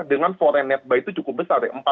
dengan foreign net buy itu cukup besar ya